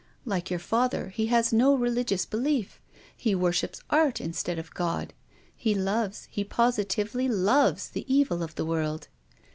" Like your father, he has no religious belief. He worships art instead of God. He loves, he positively loves, the evil of the world.